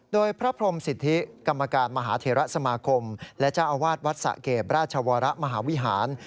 โดยพระพรมสิทธิกรรมการมหาเทระสมาคมและเจ้าอาวาสวัดสะเกดราชวรมหาวิหาร